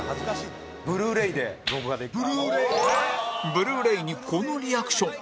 ブルーレイにこのリアクション